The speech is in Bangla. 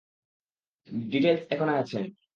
ডিটেইলস এখানে আছে।